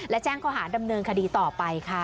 และแจ้งข้อหาดำเนินคดีต่อไปค่ะ